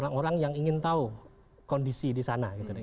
orang orang yang ingin tahu kondisi disana itu harus disambung